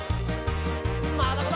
まだまだ！